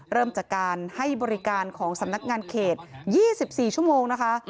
เริ่มจากการให้บริการของสำนักงานเขต๒๔ชั่วโมงนะคะ